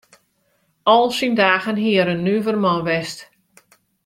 Al syn dagen hie er in nuver man west.